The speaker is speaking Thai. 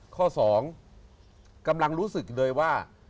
ข้อ๒กำลังรู้สึกเลยว่า